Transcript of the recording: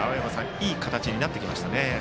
いい形になってきましたね。